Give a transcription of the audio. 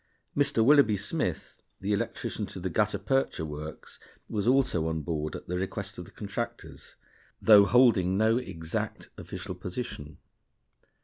Mr. Willoughby Smith, the electrician to the Gutta Percha Works, was also on board at the request of the contractors, though holding no exact official position.